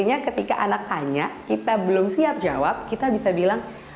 artinya ketika anak tanya kita belum siap jawab kita bisa bilang